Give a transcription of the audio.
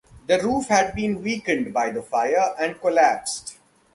The roof had been weakened by the fire and collapsed.